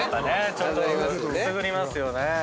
ちょっとくすぐりますよね。